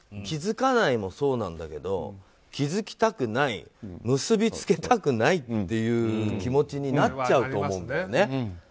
気づかないっていうのもそうなんだけど気づきたくない結びつけたくないっていう気持ちになっちゃうと思うんだよね。